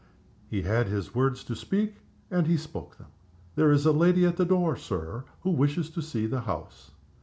He had his words to speak, and he spoke them. "There is a lady at the door, Sir, who wishes to see the house."